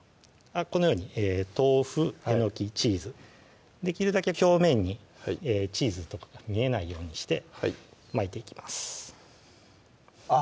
このように豆腐・えのき・チーズできるだけ表面にチーズとかが見えないようにして巻いていきますあっ